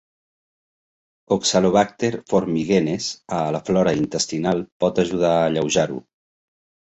"Oxalobacter formigenes"a la flora intestinal pot ajudar a alleujar-ho.